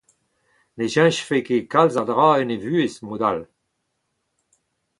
Ne cheñchfe ket kalz a dra en e vuhez, mod all.